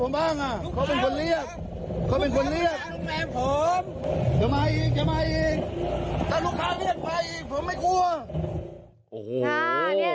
โอ้โห